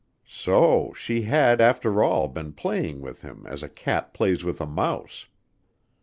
So she had, after all, been playing with him as a cat plays with a mouse!